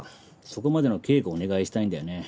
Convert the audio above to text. そこまでの警護をお願いしたいんだよね。